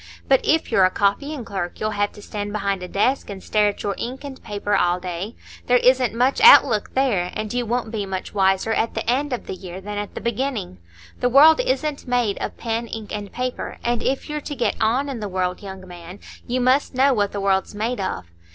But if you're a copying clerk, you'll have to stand behind a desk, and stare at your ink and paper all day; there isn't much out look there, and you won't be much wiser at the end of the year than at the beginning. The world isn't made of pen, ink, and paper, and if you're to get on in the world, young man, you must know what the world's made of.